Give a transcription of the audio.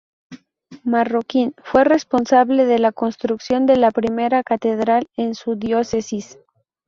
Marroquín fue responsable de la construcción de la primera catedral en su diócesis.